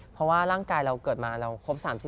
เพราะว่าร่างกายเราเกิดมาเราครบ๓๐